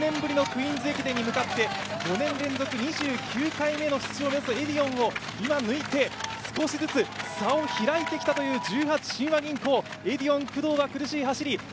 クイーンズ駅伝に向かって５年連続２９回目の出場を目指すエディオンを今抜いて少しずつ差を開いてきたという十八親和銀行、エディオン・工藤は苦しい走り。